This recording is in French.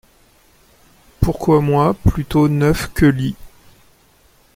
Pourquoi moi plutôt neuf que li ?…